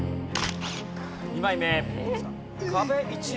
２枚目。